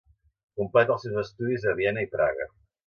Completa els seus estudis a Viena i Praga.